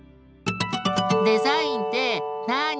「デザインってなに？」。